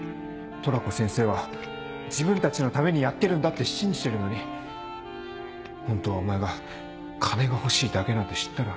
トラコ先生は自分たちのためにやってるんだって信じてるのにホントはお前が金が欲しいだけなんて知ったら。